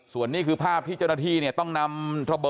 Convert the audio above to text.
ส่วนนี่คือภาพที่เจ็บหน้าที่ต้องนำ